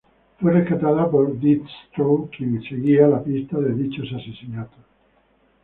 Fue rescatada por Deathstroke, quien seguía la pista de dichos asesinatos.